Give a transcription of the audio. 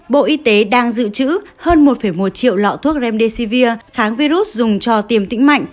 bộ y tế đang dự trữ hơn một một triệu lọ thuốc remdesivir kháng virus dùng cho tiềm tĩnh mạnh